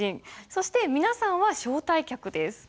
そして皆さんは招待客です。